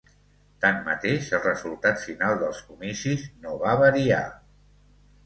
Tanmateix, el resultat final dels comicis no va variar.